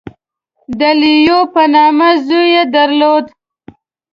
• د لیو په نامه زوی یې درلود.